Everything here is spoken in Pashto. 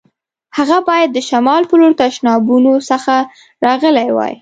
هغه باید د شمال په لور تشنابونو څخه راغلی وای.